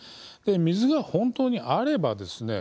水が本当にあればですね